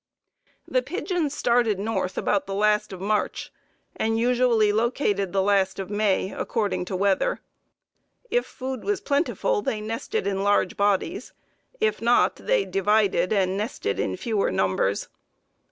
The pigeons started north about the last of March, and usually located the last of May, according to weather. If food was plentiful they nested in large bodies; if not, they divided and nested in fewer numbers.